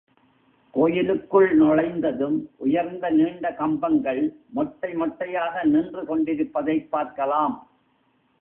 கோயிலுக்குள் நுழைந்ததும் உயர்ந்த நீண்ட கம்பங்கள் மொட்டை மொட்டையாக நின்று கொண்டிருப்பதைப் பார்க்கலாம்.